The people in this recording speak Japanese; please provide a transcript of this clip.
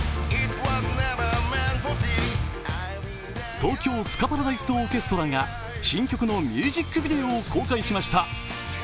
東京スカパラダイスオーケストラが新曲のミュージックビデオを公開しました。